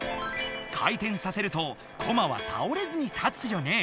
回転させるとコマはたおれずに立つよね。